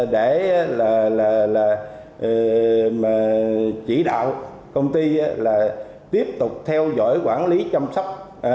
để chỉ đạo công ty tiếp tục theo dõi quản lý chăm sóc